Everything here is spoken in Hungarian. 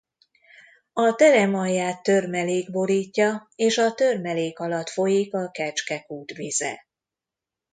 A terem alját törmelék borítja és a törmelék alatt folyik a Kecske-kút vize.